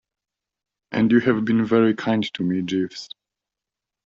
And you have been very kind to me, Jeeves.